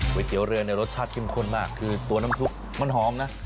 เตี๋ยวเรือเนี่ยรสชาติเข้มข้นมากคือตัวน้ำซุปมันหอมนะ